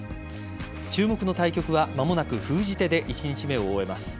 注目の対局は間もなく封じ手で１日目を終えます。